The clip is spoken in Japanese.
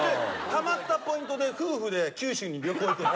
たまったポイントで夫婦で九州に旅行行く。